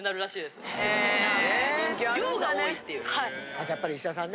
あとやっぱり石田さんね